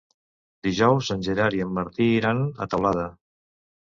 Dijous en Gerard i en Martí iran a Teulada.